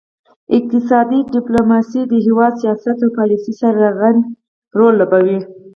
اقتصادي ډیپلوماسي د هیواد سیاست او پالیسي سره رغند رول لوبوي